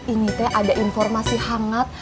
ini teh ada informasi hangat